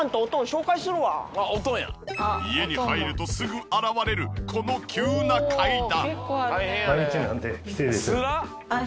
家に入るとすぐ現れるこの急な階段。